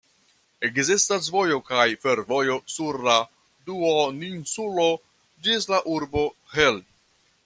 Ekzistas vojo kaj fervojo sur la duoninsulo ĝis la urbo Hel.